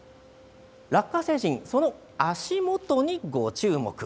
ラッカ星人、その足元にご注目。